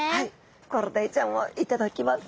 コロダイちゃんを頂きます。